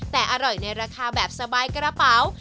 แต่อร่อยในราคาแบบสบายกระเป๋า